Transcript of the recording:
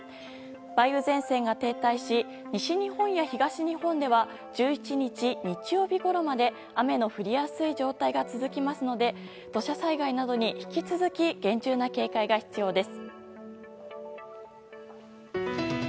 梅雨前線が停滞し西日本や東日本では１１日、日曜日ごろまで雨の降りやすい状態が続きますので土砂災害などに引き続き、厳重な警戒が必要です。